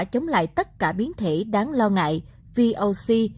chống lại tất cả biến thể đáng lo ngại volc